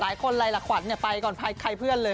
หลายคนไรละขวันเนี่ยไปก่อนใครเพื่อนเลย